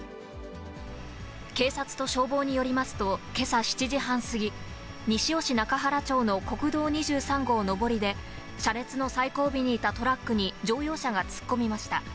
警察と消防によりますと、けさ７時半過ぎ、西尾市中原町の国道２３号上りで、車列の最後尾にいたトラックに乗用車が突っ込みました。